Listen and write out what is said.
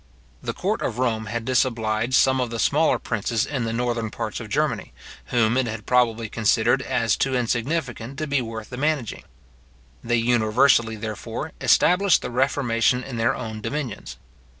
The court of Rome had disobliged some of the smaller princes in the northern parts of Germany, whom it had probably considered as too insignificant to be worth the managing. They universally, therefore, established the reformation in their own dominions.